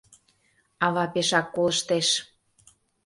Ава пешак колыштеш.